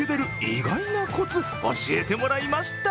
意外なこつ教えてもらいました。